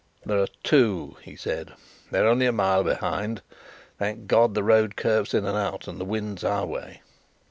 "There are two," he said. "They're only a mile behind. Thank God the road curves in and out, and the wind's our way."